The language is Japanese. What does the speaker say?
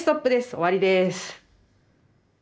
終わりです。